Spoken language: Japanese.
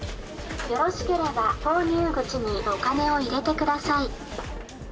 よろしければ投入口にお金を入れてください。